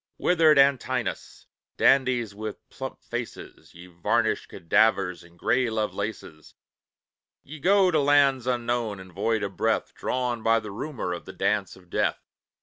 Withered Antinous, dandies with plump faces, Ye varnished cadavers, and grey Lovelaces, Ye go to lands unknown and void of breath, Drawn by the rumour of the Dance of Death.